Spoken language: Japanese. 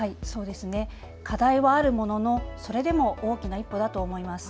課題はあるものの、それでも大きな一歩だと思います。